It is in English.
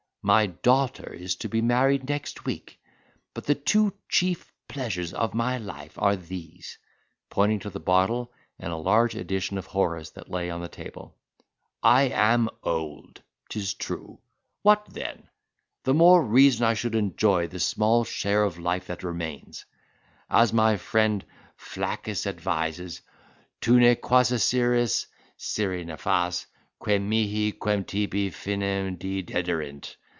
My daughter is to be married next week; but the two chief pleasures of my life are these (pointing to the bottle and a large edition of Horace that lay on the table). I am old, 'tis true—what then? the more reason I should enjoy the small share of life that remains, as my friend Flaccus advises: 'Tu ne quaesieris (scire nefas) quem mihi, quem tibi finem dii dederint.